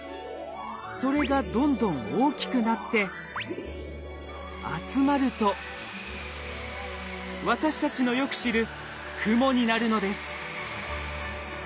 それがどんどん大きくなって集まると私たちのよく知る雲になるのです。